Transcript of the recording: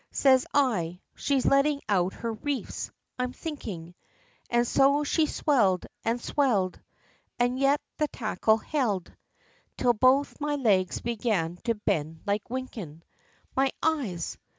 Says I, she's letting out her reefs, I'm thinking And so she swell'd, and swell'd, And yet the tackle held, 'Till both my legs began to bend like winkin. My eyes!